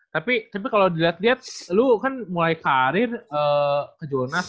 tapi tapi kalau dilihat lihat lo kan mulai karir ke jonas lima puluh lima